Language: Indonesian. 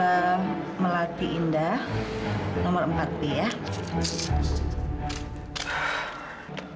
ada siapa yang mau tak berhubung